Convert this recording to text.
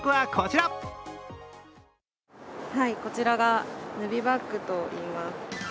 こちらがヌビバッグといいます。